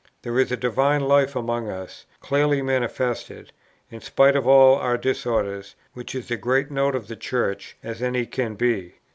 There is a divine life among us, clearly manifested, in spite of all our disorders, which is as great a note of the Church, as any can be.